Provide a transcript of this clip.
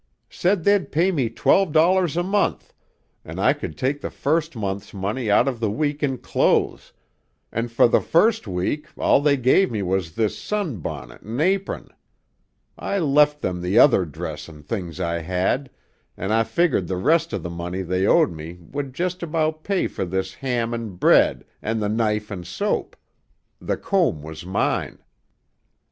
Said they'd pay me twelve dollars a month, an' I could take the first month's money out by the week in clothes, an' for the first week all they gave me was this sunbonnet an' apron. I left them the other dress an' things I had, an' I figgered the rest of the money they owed me would just about pay for this ham an' bread an' the knife an' soap. The comb was mine."